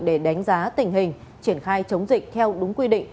để đánh giá tình hình triển khai chống dịch theo đúng quy định